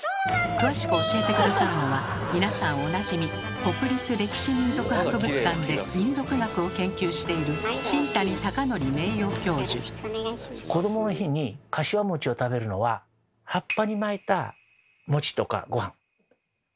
詳しく教えて下さるのは皆さんおなじみ国立歴史民俗博物館で民俗学を研究しているこどもの日にかしわを食べるのは葉っぱに巻いたとか御飯を食べる食文化。